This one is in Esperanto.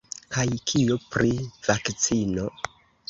Kaj kio pri vakcino?